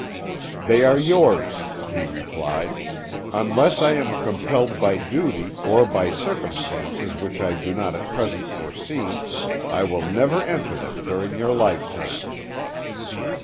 "'They are yours,' he replied. 'Unless I am compelled by duty, or by circumstances which I do not at present foresee, I will never enter them during your lifetime.'